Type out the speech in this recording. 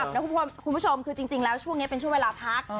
คุณผู้ชมคือจริงแล้วช่วงนี้เป็นช่วงเวลาพัก